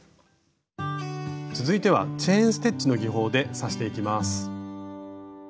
続いてはチェーン・ステッチの技法で刺していきます。